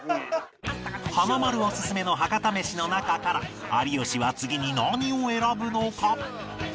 華丸オススメの博多メシの中から有吉は次に何を選ぶのか？